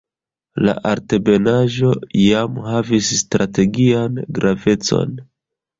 La altebenaĵo iam havis strategian gravecon.